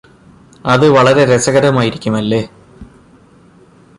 അത് വളരെ രസകരമായിരിക്കും അല്ലേ